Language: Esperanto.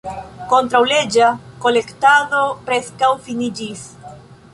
Kontraŭleĝa kolektado preskaŭ finiĝis.